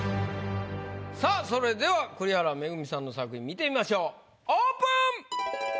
さぁそれでは栗原恵さんの作品見てみましょうオープン！